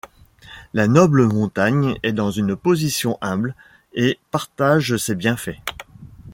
La noble montagne est dans une position humble, et partage ses bienfaits.